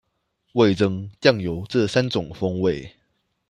味噌、醬油這三種風味